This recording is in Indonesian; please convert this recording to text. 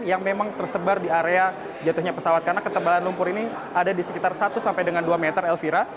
yang memang tersebar di area jatuhnya pesawat karena ketebalan lumpur ini ada di sekitar satu sampai dengan dua meter elvira